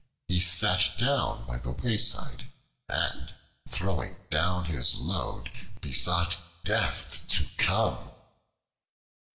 He sat down by the wayside, and throwing down his load, besought "Death" to come.